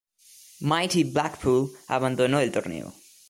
Mighty Blackpool abandonó el torneo.